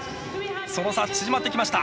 その差、縮まってきました。